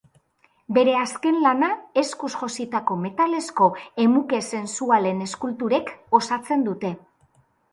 Bere azken lana eskuz jositako metalezko emuke sensualen eskulturek osotzen dute.